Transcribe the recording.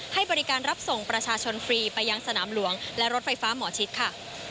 ให้บริการรับส่งประชาชนฟรีไปยังสนามหลวงและรถไฟฟ้าหมอชิดค่ะ